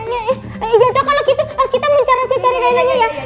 yaudah kalau gitu kita mencari cari reina nya ya